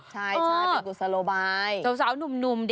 ใช่อ๋อสาวสาวหนุ่ม